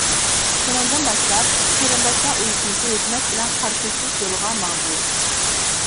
شۇنىڭدىن باشلاپ، قېرىنداشلار ئۇيۇشمىسى ھۆكۈمەت بىلەن قارشىلىشىش يولىغا ماڭدى.